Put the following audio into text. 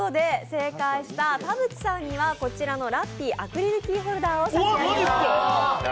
正解した田渕さんにはこちらのラッピーアクリルキーホルダーを差し上げます。